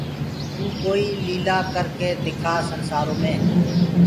تو ڪوئيٚ ليلآ ڪرڪي دکآ سنسآرو مي